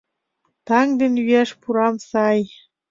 Таҥ ден йӱаш пурам сай.